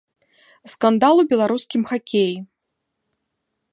Скандал у беларускім хакеі.